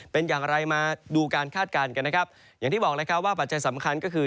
เป็นอย่างไรมาดูการคาดการณ์กันนะครับอย่างที่บอกเลยครับว่าปัจจัยสำคัญก็คือ